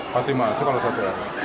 pasti masuk kalau satu arah